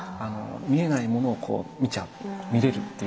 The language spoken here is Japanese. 見えないものを見ちゃう見れるっていう力。